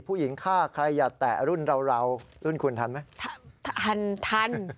ผู้หญิงฆ่าใครอย่าแตะรุ่นเรารุ่นคุณทันไหม